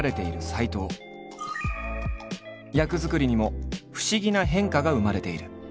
役作りにも不思議な変化が生まれている。